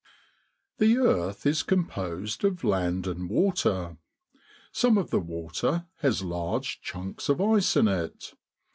The earth is composed of land and water. Some of the water has large chunks of ice in it.